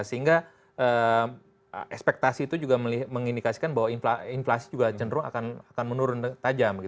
sehingga ekspektasi itu juga mengindikasikan bahwa inflasi juga cenderung akan menurun tajam